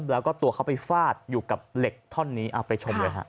แล้วก็ตัวเขาไปฟาดอยู่กับเหล็กท่อนี้ไปชมด้วยครับ